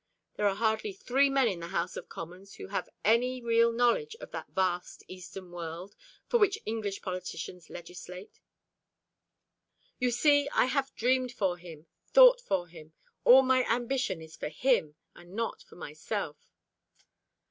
There are hardly three men in the House of Commons who have any real knowledge of that vast Eastern world for which English politicians legislate. You see I have dreamed for him, thought for him. All my ambition is for him, and not for myself."